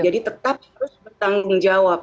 tetap harus bertanggung jawab